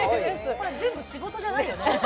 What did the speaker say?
これ全部仕事じゃないよね？